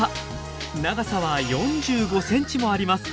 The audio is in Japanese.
長さは４５ｃｍもあります。